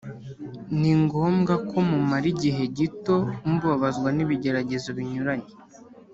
Ni ngombwa ko mumara igihe gito mubabazwa n’ibigeragezo binyuranye